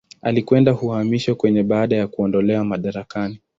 Alikwenda uhamishoni Kenya baada ya kuondolewa madarakani.